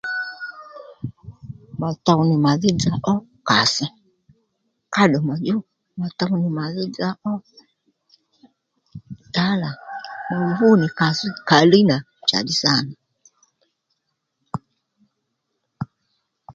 Mà tow nì màdhí dza ó kàss káddùmà djú mà tow nì màdhí dza ó tǎlà mà vú nì kàss kǎlíy nà njàddí sâ nà